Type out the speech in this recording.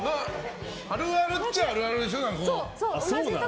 あるあるっちゃあるあるでしょ。